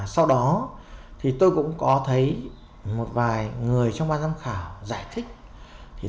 sau đó tôi cũng có thấy một vài người trong ban giám khảo giải thích